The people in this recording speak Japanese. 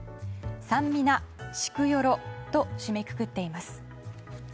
サンミナ、シクヨロと締めくくっています。